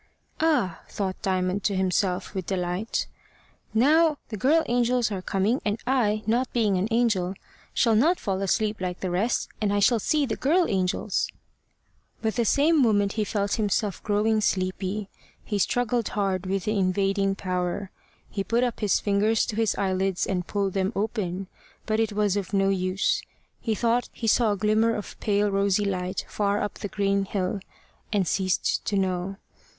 "Ah!" thought Diamond to himself, with delight, "now the girl angels are coming, and I, not being an angel, shall not fall asleep like the rest, and I shall see the girl angels." But the same moment he felt himself growing sleepy. He struggled hard with the invading power. He put up his fingers to his eyelids and pulled them open. But it was of no use. He thought he saw a glimmer of pale rosy light far up the green hill, and ceased to know.